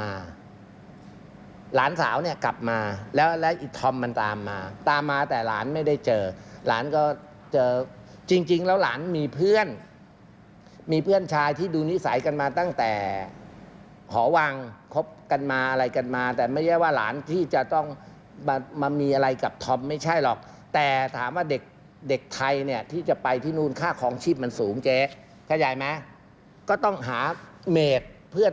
มาหลานสาวเนี่ยกลับมาแล้วแล้วอีธอมมันตามมาตามมาแต่หลานไม่ได้เจอหลานก็เจอจริงแล้วหลานมีเพื่อนมีเพื่อนชายที่ดูนิสัยกันมาตั้งแต่หอวังคบกันมาอะไรกันมาแต่ไม่ใช่ว่าหลานที่จะต้องมามีอะไรกับธอมไม่ใช่หรอกแต่ถามว่าเด็กเด็กไทยเนี่ยที่จะไปที่นู่นค่าคลองชีพมันสูงเจ๊เข้าใจไหมก็ต้องหาเมดเพื่อที่